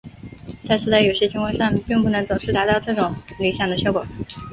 但是在有些情况上并不能总是达到这种理想的效果。